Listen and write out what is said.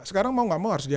sekarang mau gak kamu harus